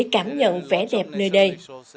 cảm nhận vẻ đẹp nơi đây